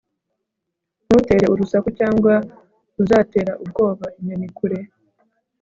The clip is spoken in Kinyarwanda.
ntutere urusaku cyangwa uzatera ubwoba inyoni kure